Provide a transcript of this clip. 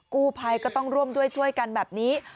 กู้ภัยก็ต้องร่วมด้วยช่วยกันแบบนี้